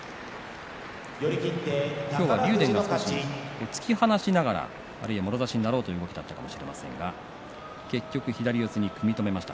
よく今日は竜電が突き放しながらもろ差しになろうという動きがあったかもしれませんが結局左四つに組み止めました。